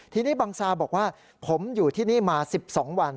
ทีนี้บังซาบอกว่าผมอยู่ที่นี่มา๑๒วัน